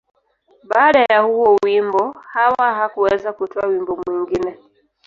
Baada ya huo wimbo, Hawa hakuweza kutoa wimbo mwingine.